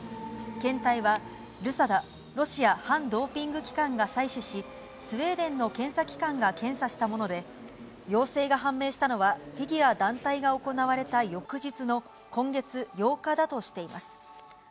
検体はルサダ・ロシア反ドーピング機関が採取し、スウェーデンの検査機関が検査したもので、陽性が判明したのは、フィギュア団体が行われた翌日の今月８日だとしています。